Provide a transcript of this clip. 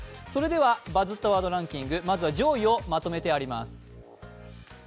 それでは「バズったワードランキング」まずは上位をまとめてあります。